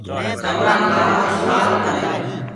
چونٚرآ کآوآ مي سوآ لگدآ هينٚ۔